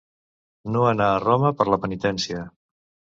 No anar a Roma per la penitència.